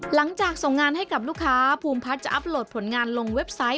หลังจากส่งงานให้กับลูกค้าภูมิพัฒน์จะอัพโหลดผลงานลงเว็บไซต์